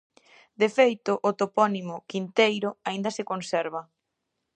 De feito, o topónimo Quinteiro aínda se conserva.